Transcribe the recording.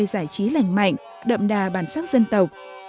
giải trí lành mạnh đậm đà bản sắc dân tộc